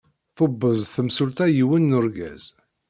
Tubeẓ temsulta yiwen n urgaz.